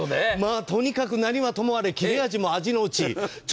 とにかく何はともあれ切れ味がすごい。